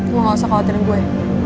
gue gak usah khawatirin gue